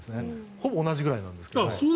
ほぼ同じくらいなんですが。